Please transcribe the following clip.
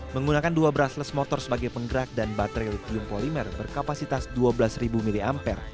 menggunakan dua brushless motor sebagai penggerak dan baterai lithium polymer berkapasitas dua belas mah